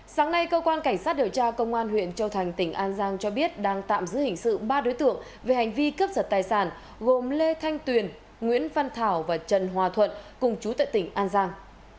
sáng nay cơ quan cảnh sát điều tra công an huyện châu thành tỉnh an giang cho biết đang tạm giữ hình sự ba đối tượng về hành vi cướp giật tài sản gồm lê thanh tuyền nguyễn văn thảo và trần hòa thuận cùng chú tại tỉnh an giang